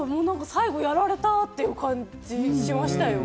最後やられたっていう感じしましたよ。